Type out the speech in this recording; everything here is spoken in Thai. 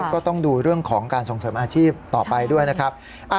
ก็ต้องดูเรื่องของการส่งเสริมอาชีพต่อไปด้วยนะครับ